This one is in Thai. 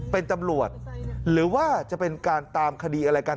เป็นตำรวจหรือว่าจะเป็นการตามคดีอะไรกัน